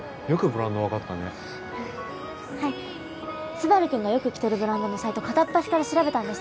スバルくんがよく着てるブランドのサイト片っ端から調べたんです